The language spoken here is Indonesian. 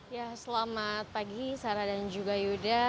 ya selamat pagi sarah dan juga yuda